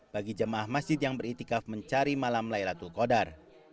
bagi jamaah masjid yang beretikaf mencari malam laylatul qodar